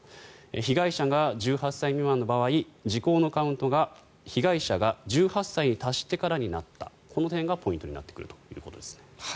被害者が１８歳未満の場合時効のカウントが被害者が１８歳に達してからになったこの点がポイントになってくるということです。